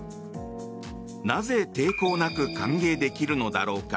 なぜ、抵抗なく歓迎できるのだろうか。